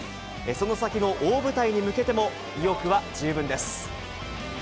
その先の大舞台に向けても、意欲は十分です。